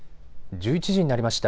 １１時になりました。